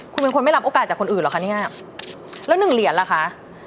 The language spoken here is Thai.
คุณเป็นคนไม่รับโอกาสจากคนอื่นเหรอคะเนี่ยแล้วหนึ่งเหรียญล่ะคะ